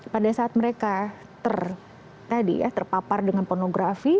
pada saat mereka terpapar dengan pornografi